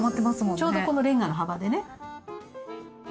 ちょうどこのれんがの幅でね。